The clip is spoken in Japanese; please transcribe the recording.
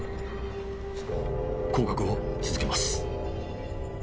行確を続けます。